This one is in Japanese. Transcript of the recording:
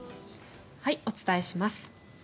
お伝えします。